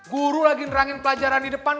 guru lagi nerangin pelajaran di depan